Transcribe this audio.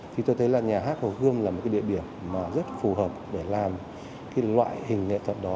thì tôi thấy là nhà hát hồ gươm là một địa điểm rất phù hợp để làm loại hình nghệ thuật đó